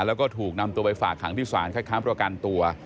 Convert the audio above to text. แล้วก็ถูกนำตัวไปฝากขังที่ศาลคัดค้างประกันตัว